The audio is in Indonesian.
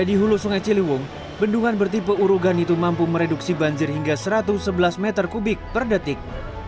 di hulu sungai ciliwung bendungan bertipe urogan itu mampu mereduksi banjir hingga satu ratus sebelas meter kubik per detik